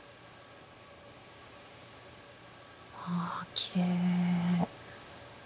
ああきれい。